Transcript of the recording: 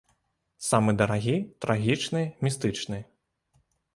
Самы дарагі, трагічны, містычны.